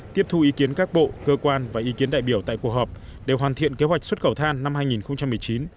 tiếp thu ý kiến các bộ cơ quan và ý kiến đại biểu tại cuộc họp để hoàn thiện kế hoạch xuất khẩu than năm hai nghìn một mươi chín